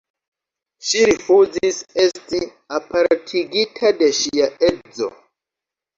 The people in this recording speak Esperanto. Ŝi rifuzis esti apartigita de ŝia edzo.